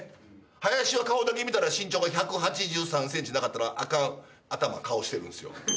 林は顔だけ見たら身長が１８３センチなかったらあかん頭、顔してるんですよ。